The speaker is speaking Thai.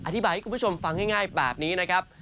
อธิบายให้คุณผู้ชมฟังง่ายแบบนี้นะครับ